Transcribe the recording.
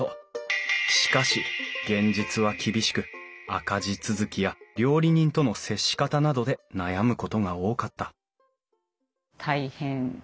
しかし現実は厳しく赤字続きや料理人との接し方などで悩むことが多かった